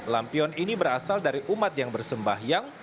lampion ini berasal dari umat yang bersembah yang